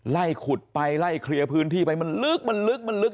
ไล่ขุดไปไล่เคลียร์พื้นที่ไปมันลึกมันลึกมันลึก